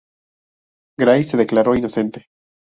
Gray se declaró inocente.